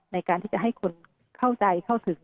ในการที่จะให้คนเข้าใจเข้าถึง